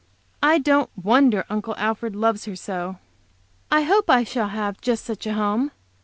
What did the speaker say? I don't wonder Uncle Alfred loves her so. I hope I shall have just such a home.